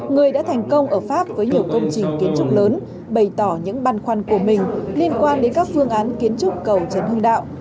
người đã thành công ở pháp với nhiều công trình kiến trúc lớn bày tỏ những băn khoăn của mình liên quan đến các phương án kiến trúc cầu trần hưng đạo